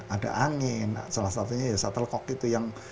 ada angin salah satunya ya shuttlecock itu